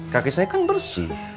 kaki saya kan bersih